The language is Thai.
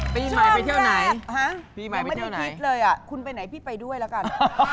ปีใหม่ไปเที่ยวไหนห้ะปีใหม่ไปเที่ยวไหนยังไม่มีพลิกเลยอ่ะคุณไปไหนพี่ไปด้วยละกัน